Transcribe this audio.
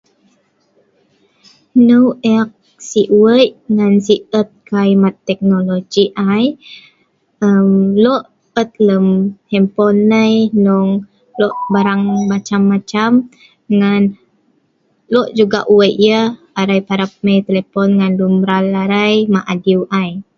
Hneu eek si wei ngan si et ai mat teknologi ai um lok et lem henpon nai hnueng lok barang macam macam ngan lok jugak wei' yah arai parap mai telepon ngan lun mbral arai ma adiu ai